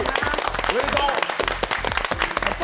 おめでとう。